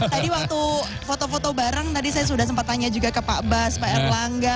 tadi waktu foto foto bareng tadi saya sudah sempat tanya juga ke pak bas pak erlangga